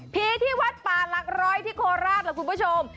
ผีที่วัดปลารักษณ์รอยที่โคราชหลับคุณผู้ชม